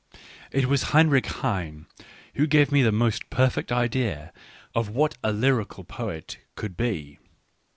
It was Heinrich Heine who gave me the most perfect idea of what a lyrical poet could be.